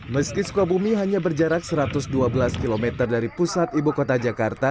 meski sukabumi hanya berjarak satu ratus dua belas km dari pusat ibu kota jakarta